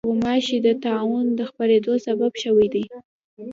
غوماشې د طاعون د خپرېدو سبب شوې دي.